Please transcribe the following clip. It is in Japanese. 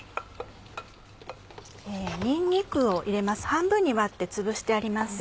にんにくを入れます半分に割ってつぶしてあります。